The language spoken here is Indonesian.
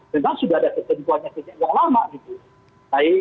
sudah ada ketentuannya